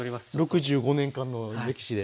６５年間の歴史で。